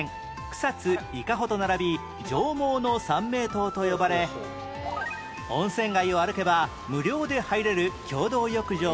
草津伊香保と並び上毛の三名湯と呼ばれ温泉街を歩けば無料で入れる共同浴場や